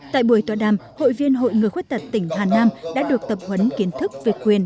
tại buổi tọa đàm hội viên hội người khuyết tật tỉnh hà nam đã được tập huấn kiến thức về quyền